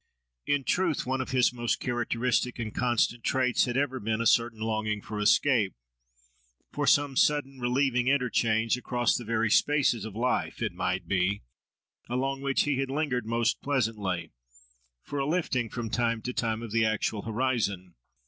In truth, one of his most characteristic and constant traits had ever been a certain longing for escape—for some sudden, relieving interchange, across the very spaces of life, it might be, along which he had lingered most pleasantly—for a lifting, from time to time, of the actual horizon.